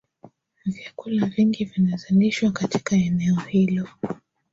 vyakula vingi vinazalishwa katika eneo hilo